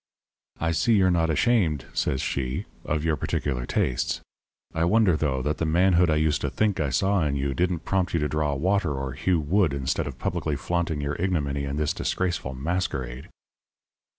"'I see you're not ashamed,' says she, 'of your peculiar tastes. I wonder, though, that the manhood I used to think I saw in you didn't prompt you to draw water or hew wood instead of publicly flaunting your ignominy in this disgraceful masquerade.'